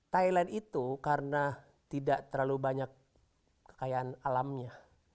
thailand itu karena tidak terlalu banyak kekayaan alamnya